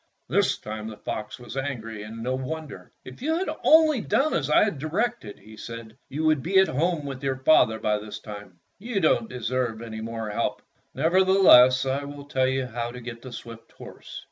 This time the fox was angry, and no wonder: "If you had only done as I directed," he said, "you would be at home with your father by this time. You don't deserve any more help. Nevertheless, I will tell you how to get the swift horse.